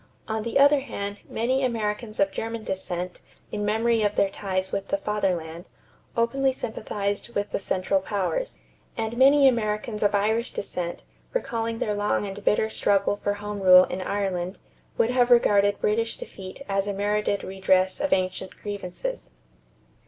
On the other hand, many Americans of German descent, in memory of their ties with the Fatherland, openly sympathized with the Central Powers; and many Americans of Irish descent, recalling their long and bitter struggle for home rule in Ireland, would have regarded British defeat as a merited redress of ancient grievances.